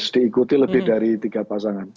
encana memandang lebih dari tiga pasangan